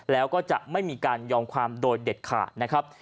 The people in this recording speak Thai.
แล้วก็จะไม่มีการยอมความโดยเด็ดขาดนะครับ